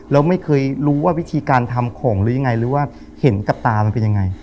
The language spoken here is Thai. แล้วไม่เคยรู้ว่าวิธีการทำของหรือยังไงหรือว่าเห็นกับตามันเป็นยังไง